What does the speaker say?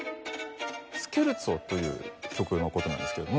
スケルツォという曲の事なんですけれども。